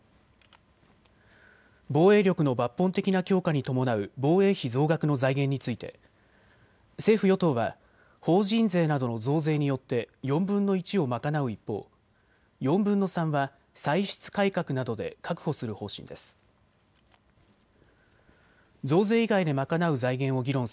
防衛力の抜本的な強化に伴う防衛費増額の財源について政府与党は法人税などの増税によって４分の１を賄う一方、４分の３は歳出改革などで確保する方針です。